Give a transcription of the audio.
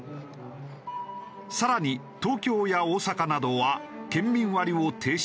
さらに東京や大阪などは県民割を停止している。